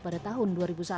pada tahun dua ribu satu